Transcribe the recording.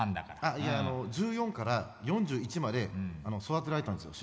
あっいや１４から４１まで育てられたんですよ